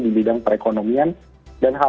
di bidang perekonomian dan hal